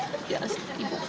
ibu bisa dagang di rumah